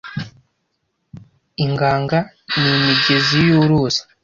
inganga ni imigezi y'uruzi